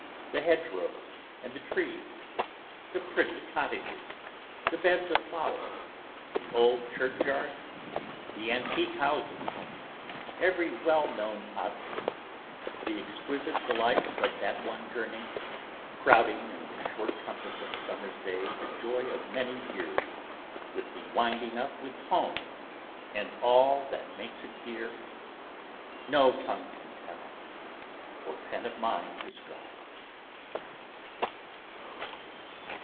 the hedge rows, and the trees; the pretty cottages, the beds of flowers, the old churchyards, the antique houses, and every well known object; the exquisite delights of that one journey, crowding in the short compass of a summer's day, the joy of many years, with the winding up with Home and all that makes it dear; no tongue can tell, or pen of mine describe.